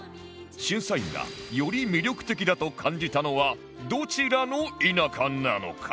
審査員がより魅力的だと感じたのはどちらの田舎なのか？